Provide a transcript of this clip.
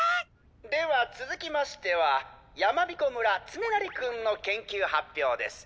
ではつづきましてはやまびこ村つねなりくんの研究発表です。